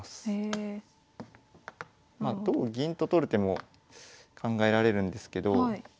まあ同銀と取る手も考えられるんですけど。